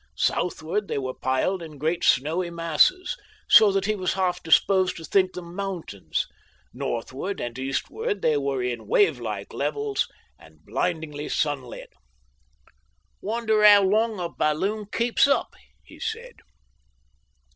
Southward they were piled in great snowy masses, so that he was half disposed to think them mountains; northward and eastward they were in wavelike levels, and blindingly sunlit. "Wonder how long a balloon keeps up?" he said.